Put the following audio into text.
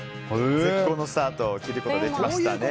絶好のスタートを切ることができましたね。